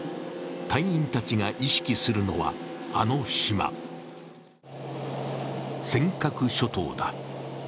隊員たちが意識するは、あの島、尖閣諸島だ。